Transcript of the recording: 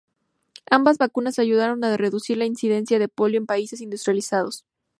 Ambas vacunas ayudaron a reducir la incidencia de polio en países industrializados.